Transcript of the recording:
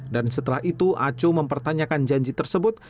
dan setelah itu aco mempertanyakan janji tersebut